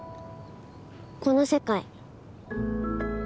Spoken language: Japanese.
この世界